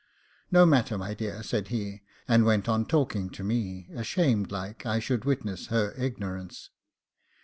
'No matter, my dear,' said he, and went on talking to me, ashamed like I should witness her ignorance.